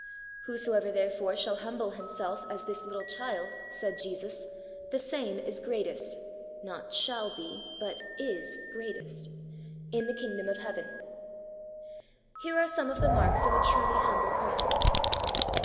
' Whosoever therefore shall humble him self as this little child,' said Jesus, 'the same is greatest ' (not shall be, but ' is greatest') 'in the Kingdom of Heaven.' Here are some of the marks of a truly humble person.